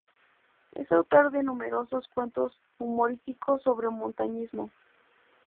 Es autor de numerosos cuentos humorísticos sobre montañismo.